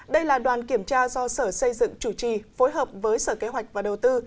đây là đoàn kiểm tra do sở xây dựng chủ trì phối hợp với sở kế hoạch và đầu tư